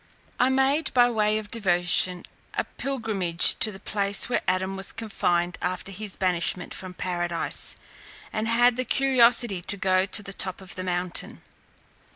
I made, by way of devotion, a pilgrimage to the place where Adam was confined after his banishment from Paradise, and had the curiosity to go to the top of the mountain.